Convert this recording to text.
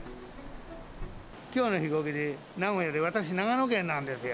きょうの飛行機で名古屋へ、私、長野県なんですよ。